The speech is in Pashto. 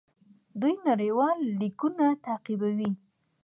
دوی نړیوال لیګونه تعقیبوي.